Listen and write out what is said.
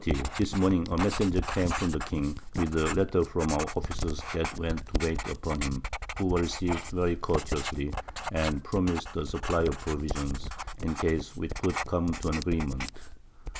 _ This Morning a Messenger came from the King, with a Letter from our Officers that went to wait upon him, who were receiv'd very courteously, and promis'd a Supply of Provisions, in Case we could come to an Agreement.